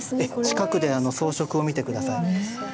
近くで装飾を見て下さい。